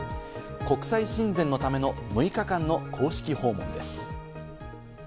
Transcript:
国際親善のための６日間の公式訪問です。